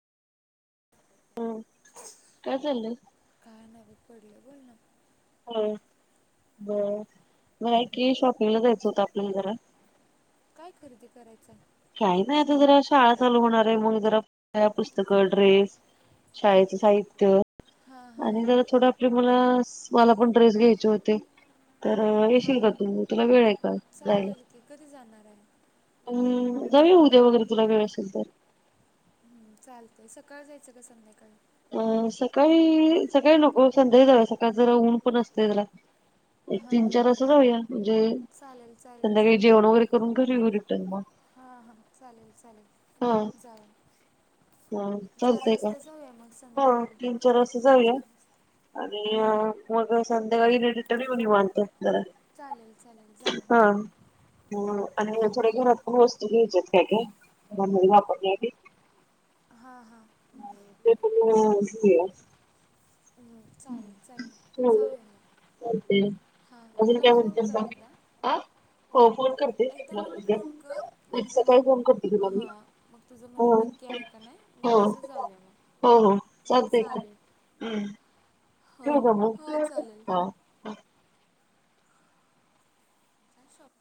हम् काय चाल्लय. पडले बोल ना. हम बर नाही ते शॉपिंगला जायचं होतं आपल्याला जरा. काय खरेदी करायचंय. काही नाही आता जरा शाळा चालू होणार आहे मग जरा पुस्तकं ड्रेस शाळेच साहित्य. हा हा. आणि जरा थोडं आपले मला मला पण ड्रेस घ्यायचे होते तर हा येशील का हा. तू तुला वेळ ऐ का जाईला चालेल की कधी जाणार आहे? जाऊया उद्या वगैरे तुला वेळ असेल तर. हम् चालतय सकाळ जायचं का संध्याकाळी अं सकाळी सकाळी नको संध्याकाळी जाऊया सकाळ जरा ऊन पण असतय जरा एक तीन हां चार हां वाजता जाऊया म्हणजे चालेल चालेल संध्याकाळी जेवण जाऊया वगैरे करून घरी येऊ रिटर्न मग हां हां चालेल हा. चालेल जाऊया ह चार चालतय का वाजता जाऊया मग ह संध्याकाळी तीन चार वाजता तीन जाऊया चार वाजता आणि हां मग संध्याकाळी [unintelligible] निवांत. चालेल चालेल हा जाऊया आणि मग घरात पण वस्तू घ्यायच्या आहेत काय काय? [unintelligible] [inaudible] हां हां. ते पण घेऊया. चालेल चालेल हम्म जाऊया म, चालतंय हा अजून मला काय फोन म्हणतेस कर बाकी? एकदा आ हो फोन करते एकदा तुला मला उद्या. फोन कर उद्या म्हणजे सकाळी मग फोन करते तुला मी. हा, मग तुझं म्हणजे हो नक्की. मग हो तसं जाऊया मग हो हो चालतेय कर चालेल हम्. हां ठेवू का मग हां चालेल हा. ह शप [unintelligible] [inaudible]